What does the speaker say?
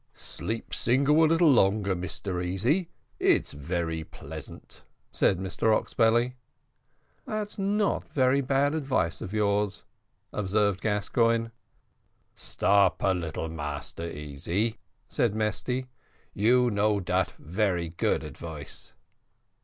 "Sleep single a little longer, Mr Easy, it's very pleasant," said Mr Oxbelly. "That's not very bad advice of yours," observed Gascoigne. "Stop a little, Massa Easy," said Mesty, "you know dat very good advice."